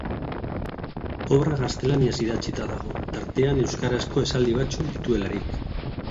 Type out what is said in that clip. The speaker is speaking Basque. Obra gaztelaniaz idatzita dago, tartean euskarazko esaldi batzuk dituelarik.